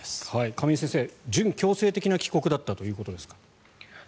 亀井先生、準強制的な帰国だったということですが。